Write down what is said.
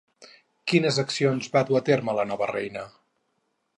Quines accions va dur a terme la nova reina?